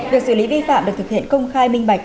việc xử lý vi phạm được thực hiện công khai minh bạch